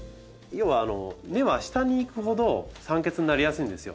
要は根は下にいくほど酸欠になりやすいんですよ。